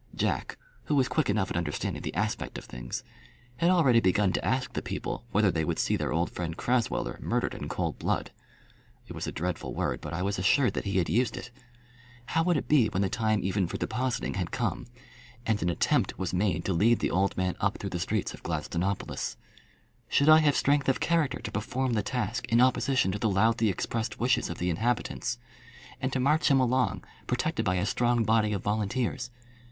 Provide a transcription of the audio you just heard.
Jack, who was quick enough at understanding the aspect of things, had already begun to ask the people whether they would see their old friend Crasweller murdered in cold blood. It was a dreadful word, but I was assured that he had used it. How would it be when the time even for depositing had come, and an attempt was made to lead the old man up through the streets of Gladstonopolis? Should I have strength of character to perform the task in opposition to the loudly expressed wishes of the inhabitants, and to march him along protected by a strong body of volunteers?